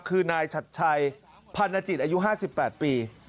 คือนายชัดชัยพันธจิตอายุ๕๘ปี